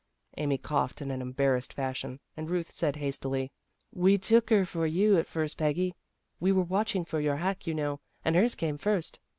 Amy coughed in an embarrassed fashion, and Ruth said hastily, " We took her for you at first, Peggy. We were watching for your hack, you know, and hers came first.'